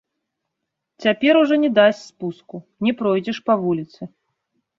Цяпер ужо не дасць спуску, не пройдзеш па вуліцы.